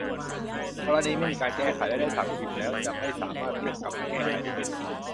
กรณีไม่มีการแก้ไขและได้สั่งพิมพ์แล้วจะไม่สามารถเรียกกลับมาแก้ไขได้อีก